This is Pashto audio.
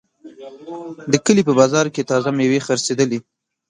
د کلي په بازار کې تازه میوې خرڅېدلې.